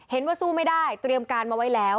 เห็นว่าสู้ไม่ได้ตรียมการมาไว้แล้ว